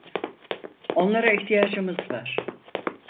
Onlara ihtiyacımız var.